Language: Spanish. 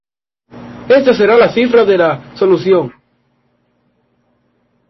Ésta será la primera cifra de la solución.